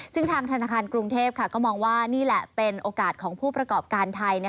ซึ่งทางธนาคารกรุงเทพก็มองว่านี่แหละเป็นโอกาสของผู้ประกอบการไทย